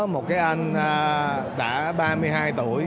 một cái anh đã ba mươi hai tuổi